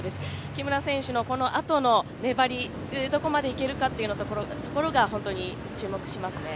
木村選手のこのあとの粘り、どこまで行けるかが本当に注目しますね。